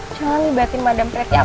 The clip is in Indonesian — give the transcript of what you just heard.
jangan libatin madam preti atau siapapun